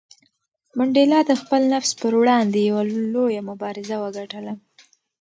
منډېلا د خپل نفس پر وړاندې یوه لویه مبارزه وګټله.